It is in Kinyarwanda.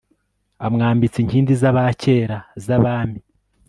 amwambitse inkindi z'abakera z'abami